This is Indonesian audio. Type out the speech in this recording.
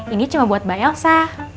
ini cuma buat mbak elsa